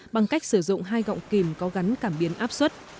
bằng cách sử dụng hai gọng kìm có gắn cảm biến áp suất